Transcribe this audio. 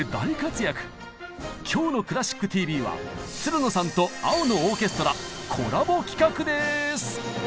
今日の「クラシックＴＶ」はつるのさんと「青のオーケストラ」コラボ企画です！